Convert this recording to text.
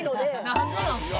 なんでなんすか！